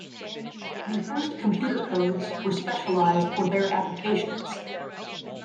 The first computer codes were specialized for their applications.